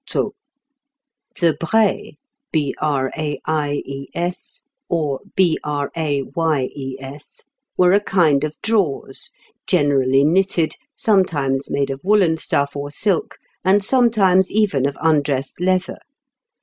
] "The braies, or brayes, were a kind of drawers, generally knitted, sometimes made of woollen stuff or silk, and sometimes even of undressed leather.